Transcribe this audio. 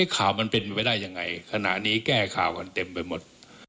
ข่าวมันเป็นไปได้ยังไงขณะนี้แก้ข่าวกันเต็มไปหมด